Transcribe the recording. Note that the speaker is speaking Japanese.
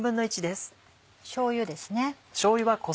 しょうゆです。